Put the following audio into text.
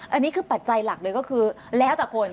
อันนี้คือปัจจัยหลักเลยก็คือแล้วแต่คน